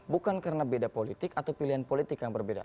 bukan karena beda politik atau pilihan politik yang berbeda